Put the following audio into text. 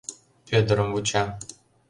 Пӧдырым вуча.